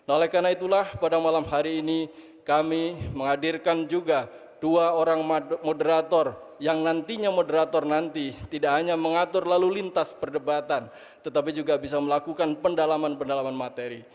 oleh karena itulah pada malam hari ini kami menghadirkan juga dua orang moderator yang nantinya moderator nanti tidak hanya mengatur lalu lintas perdebatan tetapi juga bisa melakukan pendalaman pendalaman materi